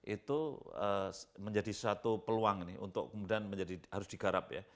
itu menjadi suatu peluang nih untuk kemudian menjadi harus digarap ya